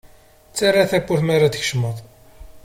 Ttarra tawwurt mi ara d-tkecmeḍ.